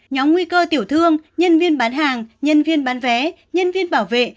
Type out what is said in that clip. nhóm nguy cơ tiểu thương nhân viên bán hàng nhân viên bán vé nhân viên bảo vệ